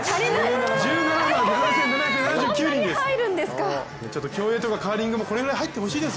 １７万７７７９人です！